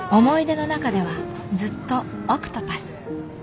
思い出の中ではずっとオクトパス。